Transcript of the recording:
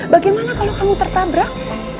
bagaimana kalau kamu tertabrak